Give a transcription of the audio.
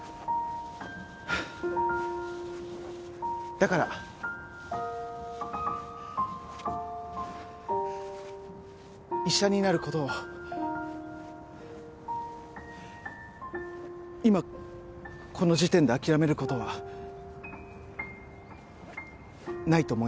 だから医者になる事を今この時点で諦める事はないと思います。